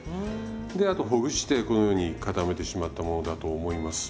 であとほぐしてこのように固めてしまったものだと思います。